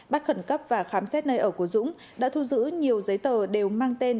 bắt khẩn cấp và khám xét nơi ở của dũng đã thu giữ nhiều giấy tờ đều mang tên